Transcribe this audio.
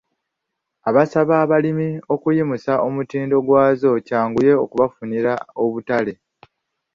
Asaba abalimi okuyimusa omutindo gwazo kyanguye okubafunira obutale.